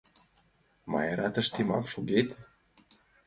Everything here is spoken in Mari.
Майра, тыште мом шогет?